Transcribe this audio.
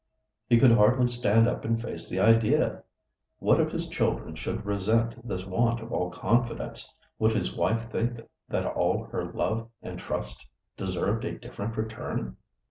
He could hardly stand up and face the idea. "What if his children should resent this want of all confidence? Would his wife think that all her love and trust deserved a different return?"